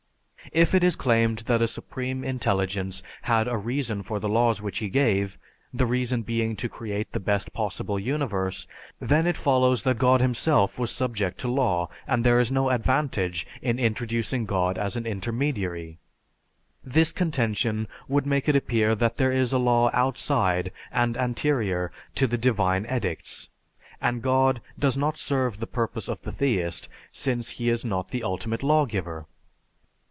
If it is claimed that a supreme intelligence had a reason for the laws which he gave, the reason being to create the best possible universe, then it follows that God himself was subject to law and there is no advantage in introducing God as an intermediary. This contention would make it appear that there is a law outside and anterior to the divine edicts, and God does not serve the purpose of the theist since he is not the ultimate lawgiver.